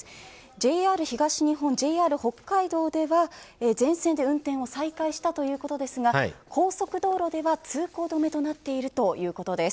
ＪＲ東日本、ＪＲ北海道では全線で運転を再開したということですが、高速道路では通行止めとなっているということです。